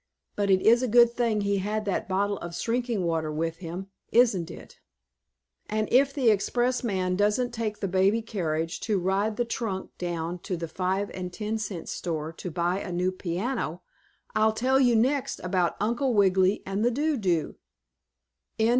But it is a good thing he had that bottle of shrinking water with him; isn't it? And, if the expressman doesn't take the baby carriage to ride the trunk down to the five and ten cent store to buy a new piano, I'll tell you next about Uncle Wiggily and the Do do.